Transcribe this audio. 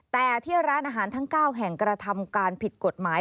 แต่ที่ร้านอาหารทั้ง๙แห่งกระทำการผิดกฎหมาย